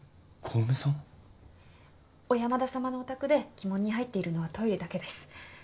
小山田様のお宅で鬼門に入っているのはトイレだけです。